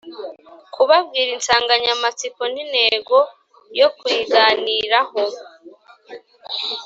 Kubabwira insanganyamatsiko n intego yo kuyiganiraho